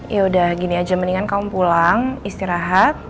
yaudah gini aja mendingan kamu pulang istirahat